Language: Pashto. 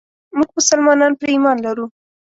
موږ مسلمانان پرې ايمان لرو.